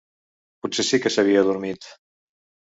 Potser sí que s'havia adormit.